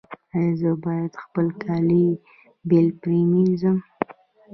ایا زه باید خپل کالي بیل پریمنځم؟